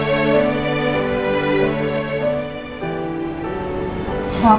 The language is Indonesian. aku siapin sarapan ya